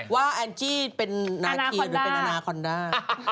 แอนจี้เป็นนาคีหรือเป็นอนาคอนด้า